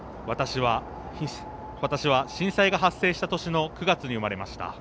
私は震災が発生した年の９月に産まれました。